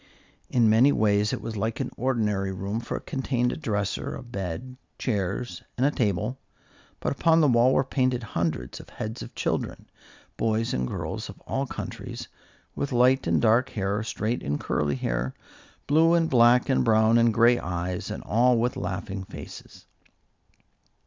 In many ways it was like an ordinary room, for it contained a dresser, a bed, chairs and a table. But upon the wall were painted hundreds of heads of children boys and girls of all countries, with light and dark hair, straight and curly hair, blue and black and brown and gray eyes, and all with laughing faces.